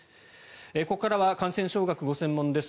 ここからは感染症学がご専門です。